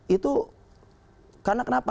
itu karena kenapa